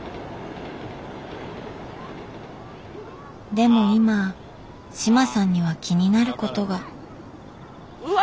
でも今志麻さんには気になることが。うわ！